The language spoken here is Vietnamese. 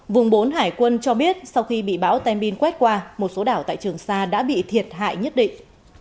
vùng bốn hải quân cho biết sau khi bị bão tem bin quét qua một số đảo tại trường sa đã bị thiệt hại nhất định